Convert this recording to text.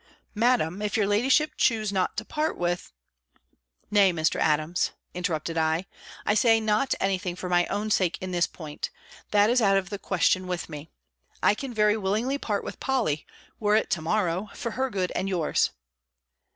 "Madam, if your ladyship choose not to part with " "Nay, Mr. Adams," interrupted I, "I say not any thing for my own sake in this point: that is out of the question with me. I can very willingly part with Polly, were it to morrow, for her good and yours."